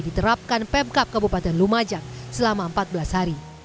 diterapkan pemkap kabupaten lumajang selama empat belas hari